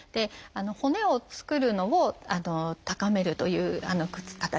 骨を作るのを高めるという形になりますね。